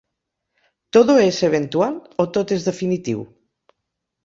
¿"todo es eventual" o "tot és definitiu"?